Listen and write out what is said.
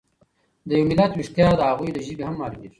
د یو ملت ويښتیا د هغوی له ژبې هم مالومیږي.